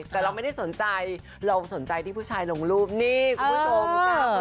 แต่เราไม่ได้สนใจเราสนใจที่ผู้ชายลงรูปนี่คุณผู้ชมค่ะ